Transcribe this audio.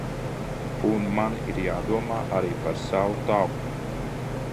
Un man ir jādomā arī par savu tautu.